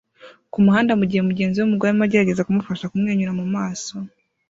kumuhanda mugihe mugenzi we wumugore arimo agerageza kumufasha kumwenyura mumaso